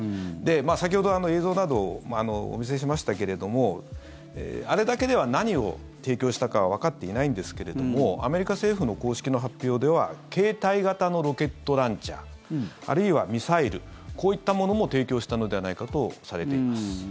先ほど、映像などお見せしましたけれどもあれだけでは何を提供したかはわかっていないんですけれどもアメリカ政府の公式の発表では携帯型のロケットランチャーあるいはミサイルこういったものも提供したのではないかとされています。